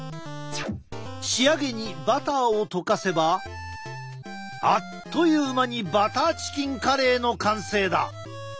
仕上げにバターを溶かせばあっという間にバターチキンカレーの完成だ！